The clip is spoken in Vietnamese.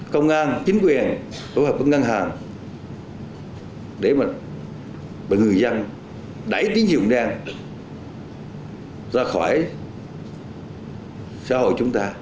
công an chính quyền phối hợp với ngân hàng để mà người dân đẩy tiếng dụng đen ra khỏi xã hội chúng ta